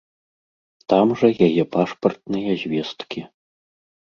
Там жа яе пашпартныя звесткі.